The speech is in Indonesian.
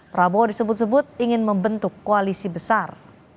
prabowo disebut sebut ingin membentuk koalisi besar